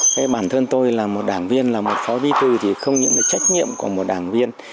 thế bản thân tôi là một đảng viên là một phó vi tư thì không những trách nhiệm của một đảng viên